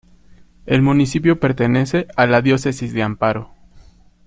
El municipio pertenece a la Diócesis de Amparo.